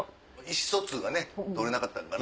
意思疎通がね取れなかったんかな。